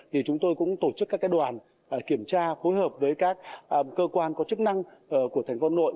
thì chúng tôi cũng tổ chức các đoàn kiểm tra phối hợp với các cơ quan có chức năng của thành phố hà nội